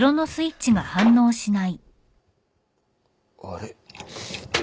あれ？